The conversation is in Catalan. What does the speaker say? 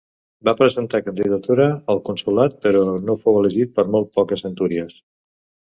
Va presentar candidatura al consolat, però no fou elegit per molt poques centúries.